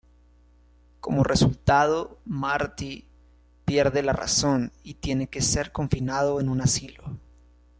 Como resultado, "Marti" pierde la razón y tiene que ser confinado en un asilo.